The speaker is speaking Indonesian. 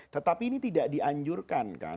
tetapi ini tidak dianjurkan kan